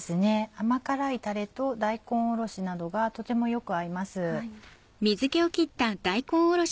甘辛いたれと大根おろしなどがとてもよく合います。